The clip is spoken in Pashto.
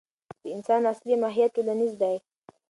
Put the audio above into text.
د انسان اصلي ماهیت ټولنیز دی.